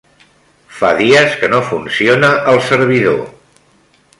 Fa dies que no funciona el servidor.